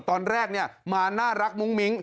ตอนแรกมาน่ารักมุ้งมิ้ง